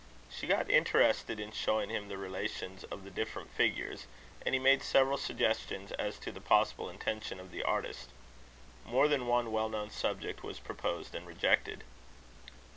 She got interested in showing him the relations of the different figures; and he made several suggestions as to the possible intention of the artist. More than one well known subject was proposed and rejected.